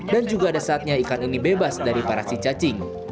dan juga ada saatnya ikan ini bebas dari parasi cacing